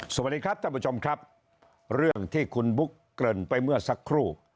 สวัสดีครับท่านผู้ชมครับเรื่องที่คุณบุ๊กเกริ่นไปเมื่อสักครู่